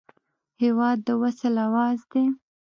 هېواد د وصل اواز دی.